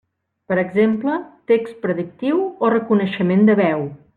Per exemple, text predictiu o reconeixement de veu.